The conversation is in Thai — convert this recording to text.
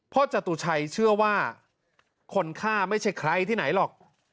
จตุชัยเชื่อว่าคนฆ่าไม่ใช่ใครที่ไหนหรอก